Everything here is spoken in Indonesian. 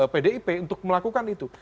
pdip untuk melakukan itu